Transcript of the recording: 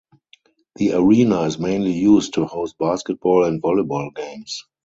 The arena is mainly used to host basketball and volleyball games.